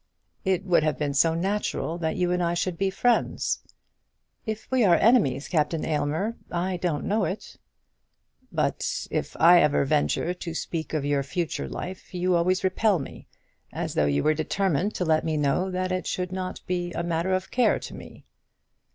"It would have been so natural that you and I should be friends." "If we are enemies, Captain Aylmer, I don't know it." "But if ever I venture to speak of your future life you always repel me; as though you were determined to let me know that it should not be a matter of care to me."